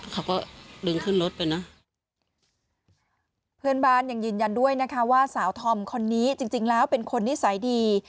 เขาก็ดึงขึ้นรถไปนะเพื่อนบ้านยังยืนยันด้วยนะคะว่าสาวธอมคนนี้จริงจริงแล้วเป็นคนนิสัยดี